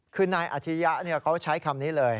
คือนายอาชียะเขาใช้คำนี้เลย